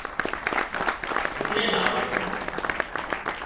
ڍوڪڙي نا آوتون